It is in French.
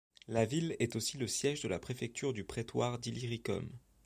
La ville est aussi le siège de la préfecture du prétoire d'Illyricum.